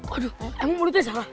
aduh emang mulutnya salah